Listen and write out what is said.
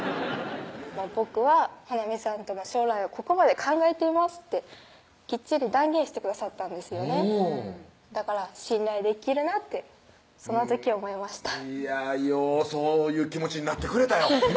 「僕は穂南さんとの将来をここまで考えています」ってきっちり断言してくださったんですよねだから信頼できるなってその時思いましたいやようそういう気持ちになってくれたよ